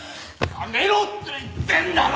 やめろって言ってんだろ！